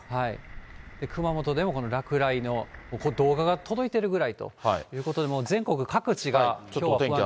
熊本でもこの落雷の、これ、動画が届いているくらいということで、全国各地が、きょうは不安お天気